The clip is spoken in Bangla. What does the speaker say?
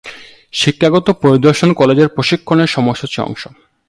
শিক্ষাগত পরিদর্শন কলেজে প্রশিক্ষণের সময়সূচীর অংশ।